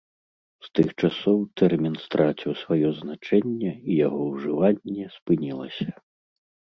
З тых часоў тэрмін страціў сваё значэнне і яго ўжыванне спынілася.